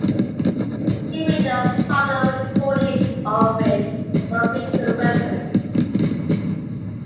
She made a popular recording of it for Victor Records.